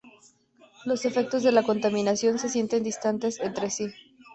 Los efectos de la contaminación se sienten distantes entre sí.